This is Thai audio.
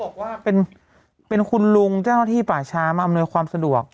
บอกว่าเป็นคุณลุงเจ้าหน้าที่ป่าช้ามาอำนวยความสะดวก